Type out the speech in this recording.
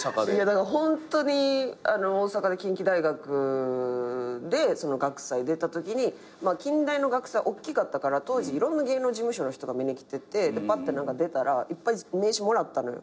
だからホントに大阪で近畿大学で学祭出たときに近大の学祭はおっきかったから当時いろんな芸能事務所の人が見にきててぱって出たらいっぱい名刺もらったのよ。